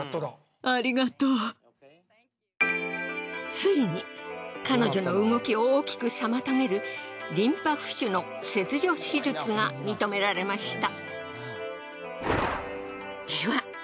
ついに彼女の動きを大きく妨げるリンパ浮腫の切除手術が認められました。